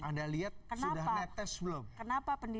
anda lihat sudah netes belum